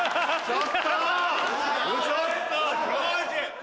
ちょっと！